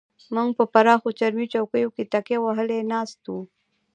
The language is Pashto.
موږ په پراخو چرمي چوکیو کې تکیه وهلې ناست وو.